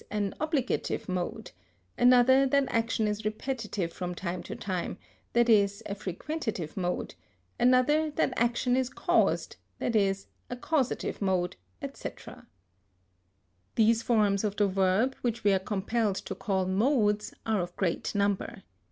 _, an obligative mode; another that action is repetitive from time to time, i.e., a frequentative mode; another that action is caused, i.e., a causative mode, etc. These forms of the verb, which we are compelled to call modes, are of great number.